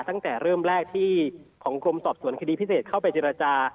ตั้งแต่เริ่มแรกที่ของกรมสอบสวนคดีพิเศษเข้าไปเจรจา